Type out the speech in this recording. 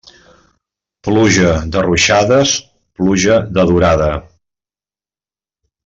Pluja de ruixades, pluja de durada.